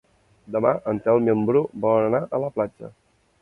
Demà en Telm i en Bru volen anar a la platja.